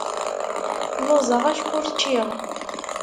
Lluẓeɣ acku ur cciɣ.